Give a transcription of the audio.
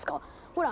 ほら！